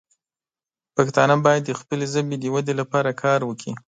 پښتانه باید د خپلې ژبې د ودې لپاره کار وکړي.